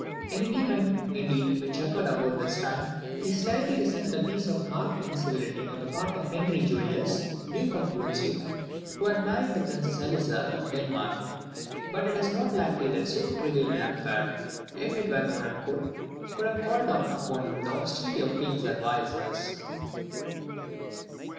In an event, indeed, which occurred about this time, he slightly resented a piece of marked incivility on the part of Henry Julius, Duke of Brunswick, who had married the Princess Eliza of Denmark; but it is not likely that so trivial an affair, if it were known at court, could have called down upon him the hostility of the King's advisers.